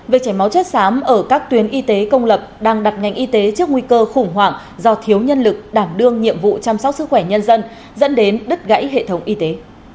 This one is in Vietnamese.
về chảy máu chất xám ở các tuyến y tế công lập đang đặt ngành y tế trước nguy cơ khủng hoảng do thiếu nhân lực đảm đương nhiệm vụ chăm sóc sức khỏe nhân dân dẫn đến đứt gãy hệ thống y tế